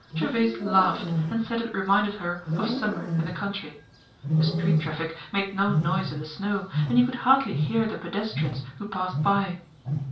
Gervaise laughed and said it reminded her of summer in the country. The street traffic made no noise in the snow and you could hardly hear the pedestrians who passed by.